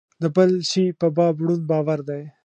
د بل شي په باب ړوند باور دی.